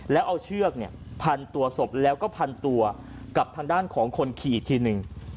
แล้วเอาเชือกพันตัวศพแล้วก็พันตัวกับทางด้านของคนขี่อีกทีหนึ่ง